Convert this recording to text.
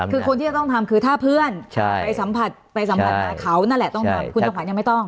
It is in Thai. คือคนที่จะต้องทำคือถ้าเพื่อนไปสัมผัสไปสัมผัสหาเขานั่นแหละคุณจำขวัญยังไม่ต้อง